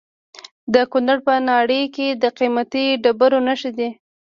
د کونړ په ناړۍ کې د قیمتي ډبرو نښې دي.